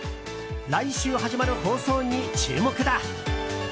来週始まる放送に注目だ。